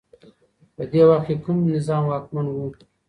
په دې وخت کي کوم نظام واکمن و؟